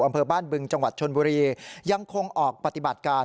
อำเภอบ้านบึงจังหวัดชนบุรียังคงออกปฏิบัติการ